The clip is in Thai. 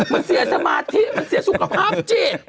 มันเสียสมาธิมันเสียสุขภาพจิต